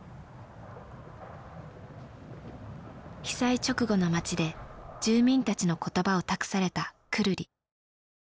被災直後の町で住民たちの言葉を託されたくるり。